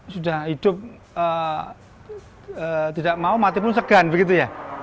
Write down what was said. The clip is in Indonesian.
sudah hidup tidak mau mati pun segan begitu ya